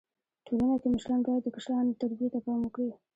ټولنه کي مشران بايد د کشرانو و تربيي ته پام وکړي.